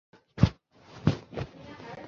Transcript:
项目由兴业建筑师有限公司设计。